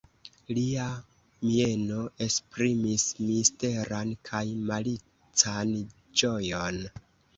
Lia mieno esprimis misteran kaj malican ĝojon.